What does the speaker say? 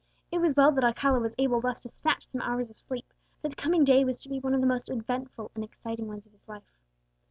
It was well that Alcala was able thus to snatch some hours of sleep, for the coming day was to be one of the most eventful and exciting ones of his life.